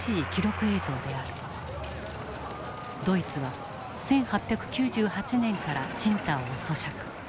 ドイツは１８９８年から青島を租借。